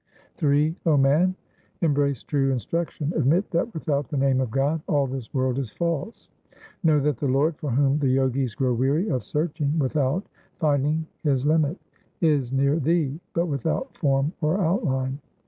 Ill 0 man, embrace true instruction. Admit that without the name of God all this world is false ; HYMNS OF GURU TEG BAHADUR 405 Know that the Lord, for whom the Jogis grow weary of searching without finding His limit, Is near thee, but without form or outline.